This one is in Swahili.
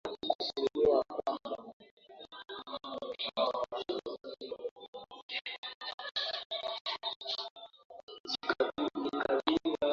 Alitembeza kidole kuangalia mtaa ambapo kuna sanduku ambalo barua hiyo ilitumbukizwa